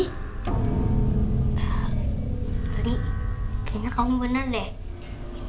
ehm loli kayaknya kamu bener deh